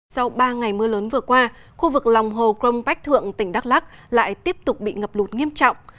sau ba ngày mưa lớn vừa qua khu vực lòng hồ crong bách thượng tỉnh đắk lắc lại tiếp tục bị ngập lụt nghiêm trọng